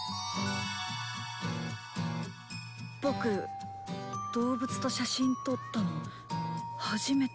ボク動物と写真撮ったの初めて。